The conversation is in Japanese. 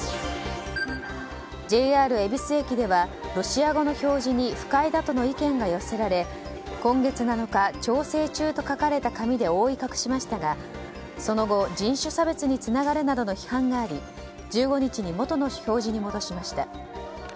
ＪＲ恵比寿駅ではロシア語の表示に不快だとの意見が寄せられ今月７日調整中と書かれた紙で覆い隠しましたがその後、人種差別につながるなどの批判があり１５日にもとの表示に戻しました。